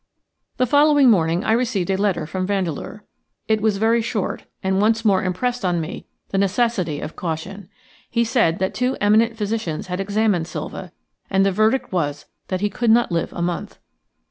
The following morning I received a letter from Vandeleur. It was very short, and once more impressed on me the necessity of caution. He said that two eminent physicians had examined Silva, and the verdict was that he could not live a month.